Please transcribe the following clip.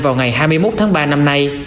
vào ngày hai mươi một tháng ba năm nay